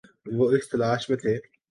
وہ اس تلاش میں تھے